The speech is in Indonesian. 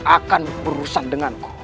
akan berurusan denganku